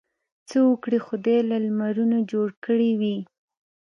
څه وګړي خدای له لمرونو جوړ کړي وي.